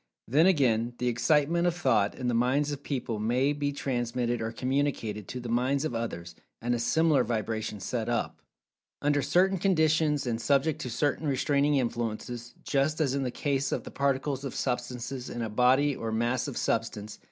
Then, again, the "Excitement" of Thought, in the minds of people may be transmitted or communicated to the minds of others, and a[Pg 229] similar vibration set up, under certain conditions, and subject to certain restraining influences—just as in the case of the Particles of Substances in a body or Mass of Substance.